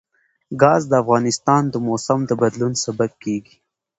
ګاز د افغانستان د موسم د بدلون سبب کېږي.